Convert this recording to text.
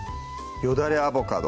「よだれアボカド」